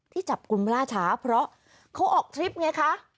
ที่จับกลุ่มล่าช้าเพราะเขาออกทริปไงคะ